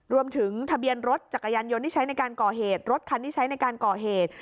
ทะเบียนรถจักรยานยนต์ที่ใช้ในการก่อเหตุรถคันที่ใช้ในการก่อเหตุ